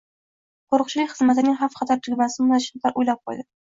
qo‘riqchilik xizmatining xavf-xatar tugmasini o‘rnatishni o'ylab qo'ydi.